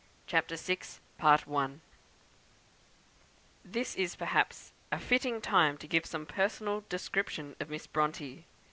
CHAPTER VI This is perhaps a fitting time to give some personal description of Miss Bronte.